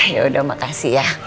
yaudah makasih ya